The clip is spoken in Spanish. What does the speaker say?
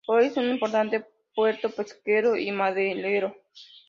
Hoy es un importante puerto pesquero y maderero.